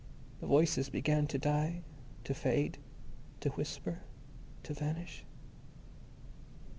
_ The voices began to die, to fade, to whisper... to vanish....